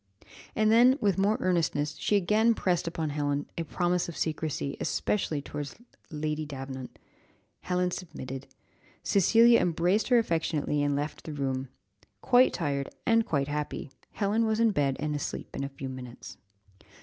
And then, with more earnestness, she again pressed upon Helen a promise of secrecy, especially towards Lady Davenant. Helen submitted. Cecilia embraced her affectionately, and left the room. Quite tired, and quite happy, Helen was in bed and asleep in a few minutes.